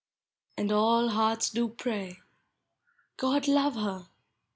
And all hearts do pray, " God love her!